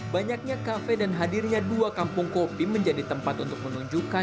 banyaknya kafe dan hadirnya dua kampung kopi menjadi tempat untuk menunjukkan